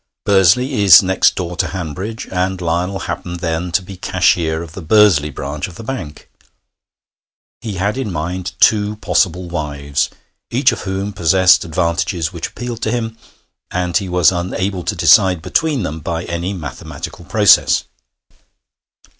Bursley is next door to Hanbridge, and Lionel happened then to be cashier of the Bursley branch of the bank. He had in mind two possible wives, each of whom possessed advantages which appealed to him, and he was unable to decide between them by any mathematical process.